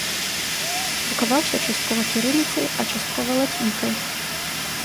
Друкаваўся часткова кірыліцай, а часткова лацінкай.